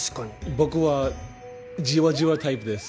僕はじわじわタイプです。